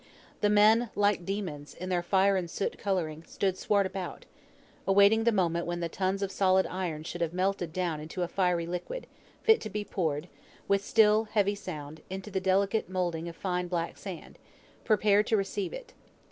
The men, like demons, in their fire and soot colouring, stood swart around, awaiting the moment when the tons of solid iron should have melted down into fiery liquid, fit to be poured, with still, heavy sound, into the delicate moulding of fine black sand, prepared to receive it.